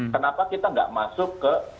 kenapa kita nggak masuk ke